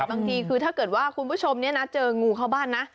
ใช่บางทีคือถ้าเจอคุณผู้ชมเจองูเข้าบ้านนะ